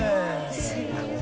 すごい。